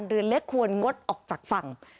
เรือเล็กควรงดออกจากฝั่ง